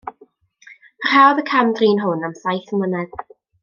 Parhaodd y cam-drin hwn am saith mlynedd.